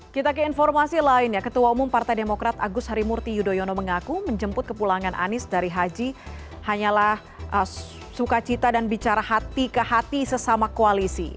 kita ke informasi lainnya ketua umum partai demokrat agus harimurti yudhoyono mengaku menjemput kepulangan anies dari haji hanyalah sukacita dan bicara hati ke hati sesama koalisi